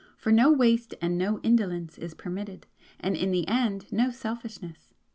For no waste and no indolence is permitted, and in the end no selfishness.